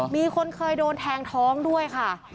มีคนเคยโดนแทงท้องด้วยค่ะ